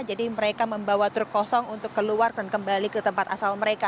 jadi mereka membawa truk kosong untuk keluar dan kembali ke tempat asal mereka